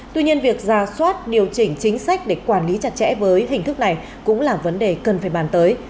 tuy nhiên việc ra soát điều chỉnh chính sách để quản lý chặt chẽ với hình thức này cũng là vấn đề cần phải bàn tới